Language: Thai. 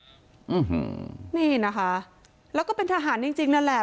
อืมนี่นะคะแล้วก็เป็นทหารจริงจริงนั่นแหละ